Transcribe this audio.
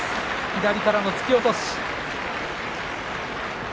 左からの突き落とし。